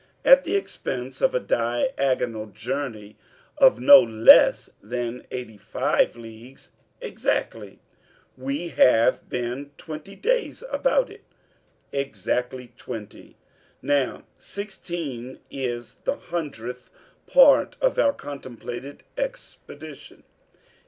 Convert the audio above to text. "At the expense of a diagonal journey of no less than eighty five leagues." "Exactly." "We have been twenty days about it." "Exactly twenty days." "Now sixteen is the hundredth part of our contemplated expedition.